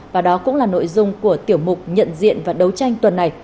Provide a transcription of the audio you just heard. và đó cũng là nội dung của tiểu mục nhận diện và đấu tranh tuần này